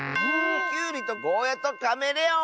きゅうりとゴーヤーとカメレオン！